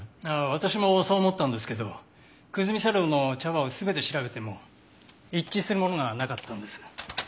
私もそう思ったんですけど久住茶寮の茶葉を全て調べても一致するものがなかったんです。